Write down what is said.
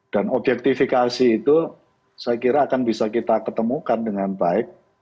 dan objektifikasi itu saya kira akan bisa kita ketemukan dengan baik